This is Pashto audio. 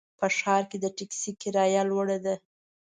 په ښار کې د ټکسي کرایه لوړه ده.